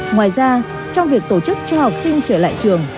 ngoài ra trong việc tổ chức cho học sinh trở lại trường